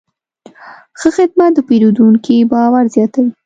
ښه خدمت د پیرودونکي باور زیاتوي.